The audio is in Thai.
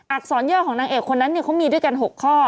อักษรเยอะของนางเอกคนนั้นเนี่ยเขามีด้วยกัน๖ข้อ